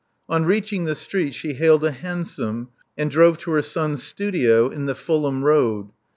On reaching the street she hailed a hansom, and drove to her son's studio in the Fulham Road.